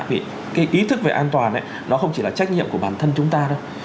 vì cái ý thức về an toàn nó không chỉ là trách nhiệm của bản thân chúng ta đâu